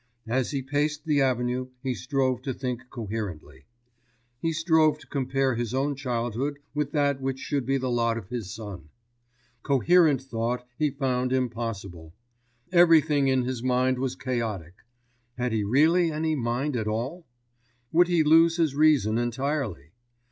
As he paced the Avenue he strove to think coherently. He strove to compare his own childhood with that which should be the lot of his son. Coherent thought he found impossible. Everything in his mind was chaotic. Had he really any mind at all? Would he lose his reason entirely?